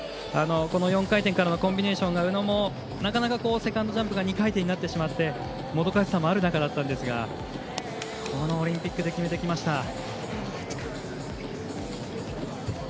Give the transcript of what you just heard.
４回転からのコンビネーションが宇野も、なかなかセカンドジャンプが２回転になってもどかしさもある中だったんですがこのオリンピックで決めてきました。